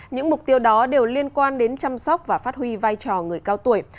những mục tiêu đó đều liên quan đến chăm sóc và phát huy vai trò người cao tuổi